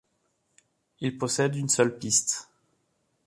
Il possède une seule piste.